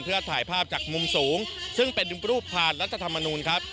เพื่อถ่ายภาพจากมุมสูงซึ่งเป็นรูปผ่านรัฐธรรมนูลครับ